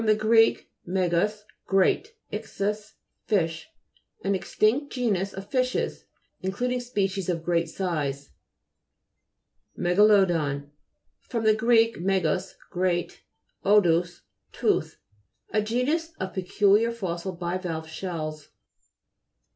gr. megas, great, ichthus, fish. An extinct genus of fishes, including species of great size. MEGA'LODON fr. gr. megas, great. odous, tooth. A genus of peculiar fossil bivalve shells.